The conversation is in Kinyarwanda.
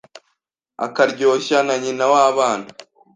akaryoshya na nyina w'abana